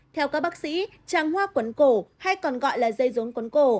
theo các bác sĩ tràng hoa cuốn cổ hay còn gọi là dây rốn cuốn cổ